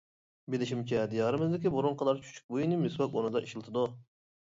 بىلىشىمچە دىيارىمىزدىكى بۇرۇنقىلار چۈچۈكبۇيىنى مىسۋاك ئورنىدا ئىشلىتىدۇ.